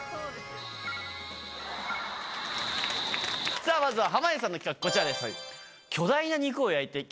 さぁまずは濱家さんの企画こちらです。